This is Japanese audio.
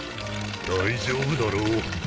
大丈夫だろう。